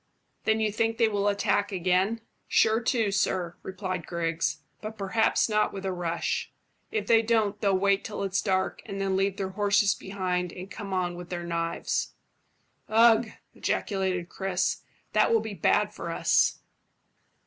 "Then you think they will attack again?" "Sure to, sir," replied Griggs; "but perhaps not with a rush. If they don't, they'll wait till it's dark, and then leave their horses behind and come on with their knives." "Ugh!" ejaculated Chris. "That will be bad for us."